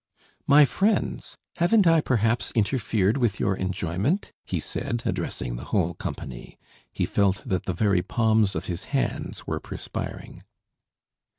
"My friends! Haven't I perhaps interfered with your enjoyment?" he said, addressing the whole company. He felt that the very palms of his hands were perspiring.